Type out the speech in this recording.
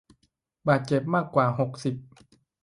บาดเจ็บมากกว่าหกสิบ